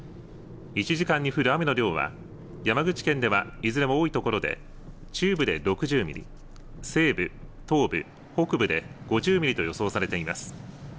１時間に降る雨の量は山口県ではいずれも多いところで中部で６０ミリ西部、東部、北部で５０ミリと予想されています。